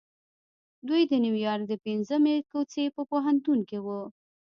دوی د نيويارک د پنځمې کوڅې په پوهنتون کې وو.